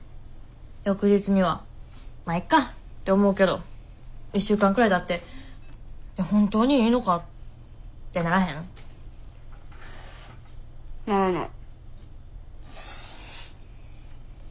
翌日には「まあいっか」って思うけど１週間くらいたって「いや本当にいいのか？」ってならへん？ならない。